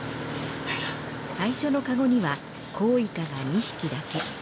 最初のかごにはコウイカが２匹だけ。